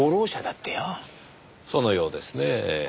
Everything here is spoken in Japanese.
そのようですねぇ。